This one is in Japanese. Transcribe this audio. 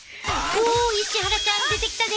お石原ちゃん出てきたで！